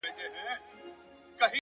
• د خبرونو وياند يې ـ